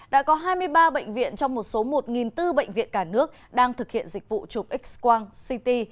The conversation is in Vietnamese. đã có hai mươi ba bệnh viện trong một số một bốn trăm linh bệnh viện cả nước đang thực hiện dịch vụ chụp x quang ct